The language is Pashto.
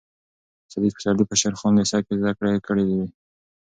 صدیق پسرلي په شېر خان لېسه کې زده کړې کړې وې.